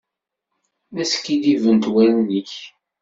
La skiddibent wallen-ik.